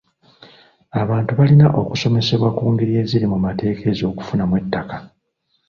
Abantu balina okusomesebwa ku ngeri eziri mu mateeka ez'okufunamu ettaka.